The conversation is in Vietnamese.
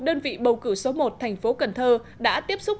đơn vị bầu cử số một thành phố cần thơ đã tiếp xúc